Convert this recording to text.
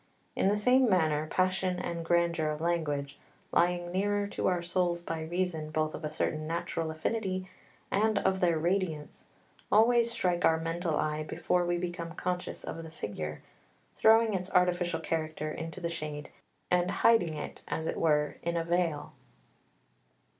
In the same manner passion and grandeur of language, lying nearer to our souls by reason both of a certain natural affinity and of their radiance, always strike our mental eye before we become conscious of the figure, throwing its artificial character into the shade and hiding it as it were in a veil.